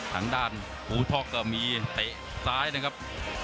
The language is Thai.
ทางด้านภูท็อกก็มีเตะซ้ายนะครับ